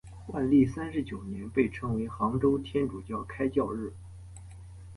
万历三十九年被称为杭州天主教开教日。